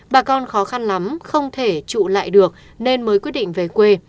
bà con khó khăn lắm không thể trụ lại được nên mới quyết định về quê